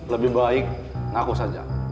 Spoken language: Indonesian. lebih baik ngaku saja